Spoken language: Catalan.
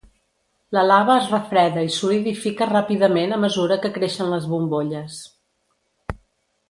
La lava es refreda i solidifica ràpidament a mesura que creixen les bombolles.